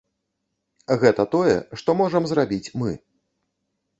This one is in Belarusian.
Гэта тое, што можам зрабіць мы.